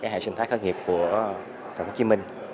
hệ sinh thái khởi nghiệp của tp hcm